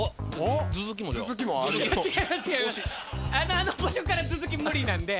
あの場所から頭突き無理なんで。